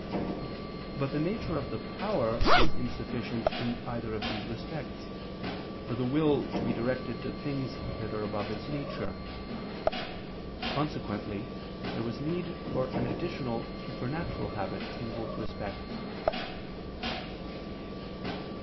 But the nature of the power is insufficient in either of these respects, for the will to be directed to things that are above its nature. Consequently there was need for an additional supernatural habit in both respects.